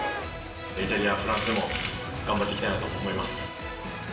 イタリアやフランスでも頑張っていきたいと思います。